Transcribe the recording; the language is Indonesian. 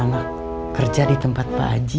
anak kerja di tempat pak haji